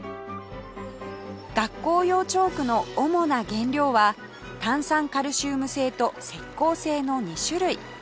学校用チョークの主な原料は炭酸カルシウム製と石膏製の２種類